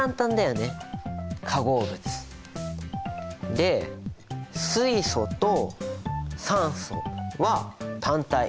で水素と酸素は単体。